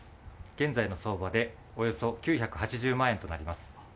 現在の相場でおよそ９８０万円となります。